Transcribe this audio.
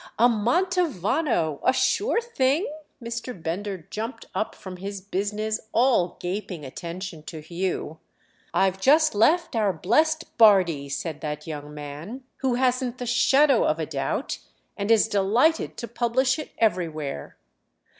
"A Mantovano—a sure thing?" Mr. Bender jumped up from his business, all gaping attention to Hugh. "I've just left our blest Bardi," said that young man—"who hasn't the shadow of a doubt and is delighted to publish it everywhere."